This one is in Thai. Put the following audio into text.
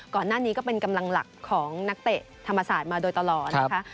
ก็เป็นกำลังหลักของนักเตะธรรมศาสตร์มาโดยตลอดนะคะ